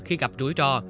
khi gặp rủi ro